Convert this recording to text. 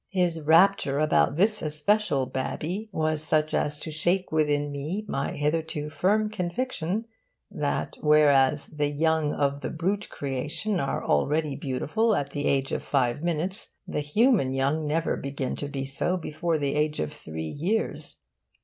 His rapture about this especial 'babbie' was such as to shake within me my hitherto firm conviction that, whereas the young of the brute creation are already beautiful at the age of five minutes, the human young never begin to be so before the age of three years.